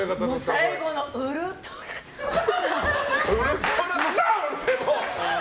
最後のウルトラソウル！